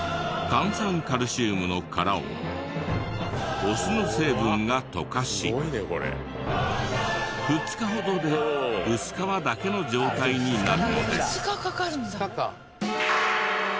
炭酸カルシウムの殻をお酢の成分が溶かし２日ほどで薄皮だけの状態になるのです。